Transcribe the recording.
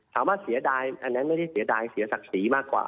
เสียดายอันนั้นไม่ได้เสียดายเสียศักดิ์ศรีมากกว่า